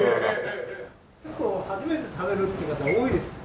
結構初めて食べるっていう方多いです。